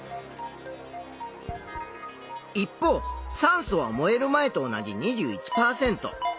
一方酸素は燃える前と同じ２１％。